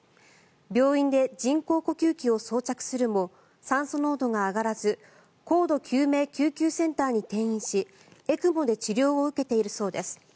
病院で人工呼吸器を装着するも酸素濃度が上がらず高度救命救急センターに転院しＥＣＭＯで治療を受けているそうです。